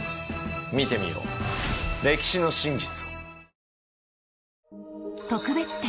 見てみよう歴史の真実を。